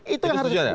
itu yang harus